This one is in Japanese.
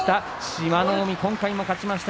志摩ノ海、今回勝ちました。